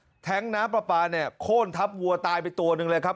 แท้งน้ำปลาปลาเนี่ยโค้นทับวัวตายไปตัวหนึ่งเลยครับ